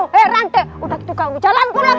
heran deh udah gitu kamu jalanku lagi